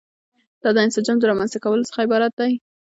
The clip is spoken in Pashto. دا د انسجام د رامنځته کولو څخه عبارت دي.